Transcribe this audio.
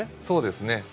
そうですね。